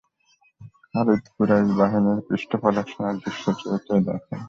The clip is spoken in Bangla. খালিদ কুরাইশ বাহিনীর পৃষ্ঠ প্রদর্শনের দৃশ্য চেয়ে চেয়ে দেখেন।